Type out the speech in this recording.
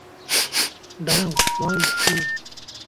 দাঁড়াও, one, two.